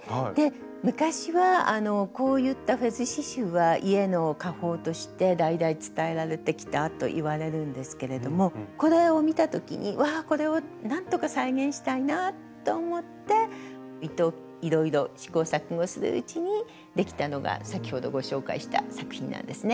昔はこういったフェズ刺しゅうは家の家宝として代々伝えられてきたといわれるんですけれどもこれを見た時にわあこれをなんとか再現したいなと思って糸いろいろ試行錯誤するうちにできたのが先ほどご紹介した作品なんですね。